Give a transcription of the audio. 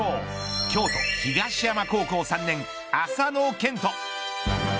京都東山高校３年、麻野堅斗。